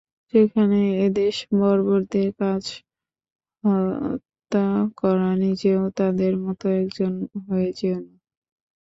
যেখানে এদেশে বর্বরদের কাজ হত্যা করা, নিজেও তাদের মতো একজন হয়ে যেয়ো না।